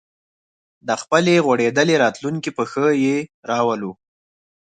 د خپلې غوړېدلې راتلونکې په ښه یې راولو